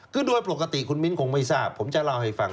คือโดยปกติคุณมิ้นคงไม่ทราบผมจะเล่าให้ฟัง